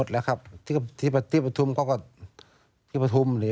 แล้วเขาแท้เชื่อพ่อโทรเชื่อพ่อไปอย่างนี้